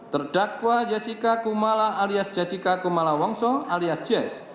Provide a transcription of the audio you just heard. terdakwa yessika kumala alias yessika kumala wongso alias yess